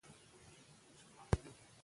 د مېلمنو پالنه زموږ لرغونی خوی دی.